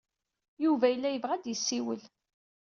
Yuba yella yebɣa ad d-yessiwel.